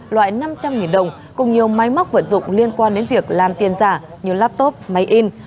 loại năm trăm linh đồng cùng nhiều máy móc vận dụng liên quan đến việc làm tiền giả như laptop máy in